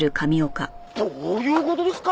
どういう事ですか？